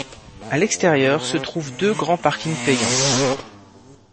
À l’extérieur se trouvent deux grands parkings payants.